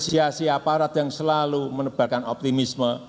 kita apresiasi aparat yang selalu menebarkan optimisme